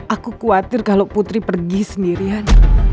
aku khawatir kalau putri pergi sendirian